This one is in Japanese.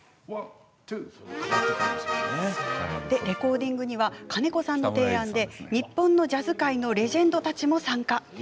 レコーディングには金子さんの提案で日本のジャズ界のレジェンドたちも参加。